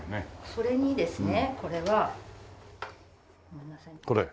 それにですねこれは。これ？